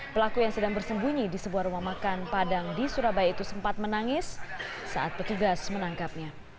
pelaku yang sedang bersembunyi di sebuah rumah makan padang di surabaya itu sempat menangis saat petugas menangkapnya